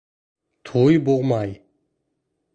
Туй булмай.